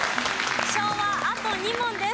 昭和あと２問です。